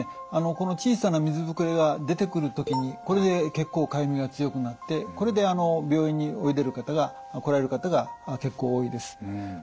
この小さな水膨れが出てくる時にこれで結構かゆみが強くなってこれで病院に来られる方が結構多いです。